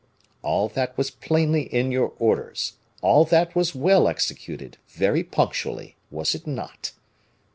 All that was plainly in your orders, all that was well executed, very punctually, was it not?"